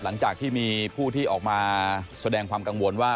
หลังจากที่มีผู้ที่ออกมาแสดงความกังวลว่า